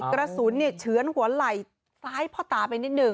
กระสุนเฉือนหัวไหล่ซ้ายพ่อตาไปนิดหนึ่ง